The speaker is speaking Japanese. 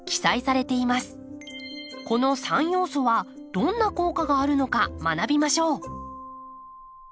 この三要素はどんな効果があるのか学びましょう。